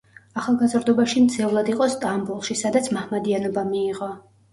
ახალგაზრდობაში მძევლად იყო სტამბოლში, სადაც მაჰმადიანობა მიიღო.